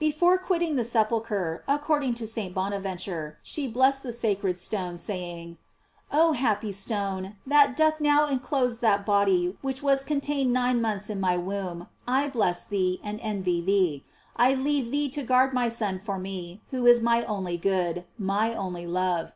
Before quitting the sepulchre, according to St. Bonaven ture, she blessed that sacred stone, saying: Oh happy stone, that doth now inclose that body which was contained nine months in my womb, I bless thee, and envy thee; I leave thee to guard my Son for me, who is my only good, my only love.